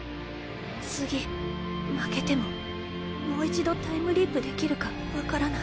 次負けてももう１度タイムリープできるか分からない。